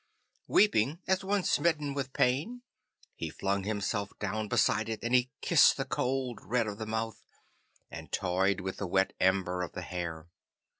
Weeping as one smitten with pain he flung himself down beside it, and he kissed the cold red of the mouth, and toyed with the wet amber of the hair.